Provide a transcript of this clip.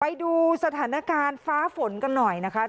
ไปดูสถานการณ์ฟ้าฝนกันหน่อยนะคะ